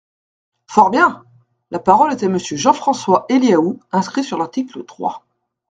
Fort bien ! La parole est à Monsieur Jean-François Eliaou, inscrit sur l’article trois.